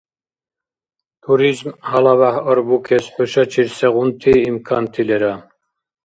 Туризм гьалабяхӀ арбукес хӀушачир сегъунти имканти лера?